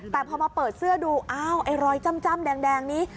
แต่พอมาเปิดเสื้อดูอ้าวไอ้รอยจ้ำแดงนี้